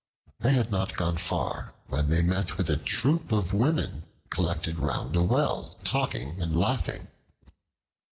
They had not gone far when they met with a troop of women collected round a well, talking and laughing.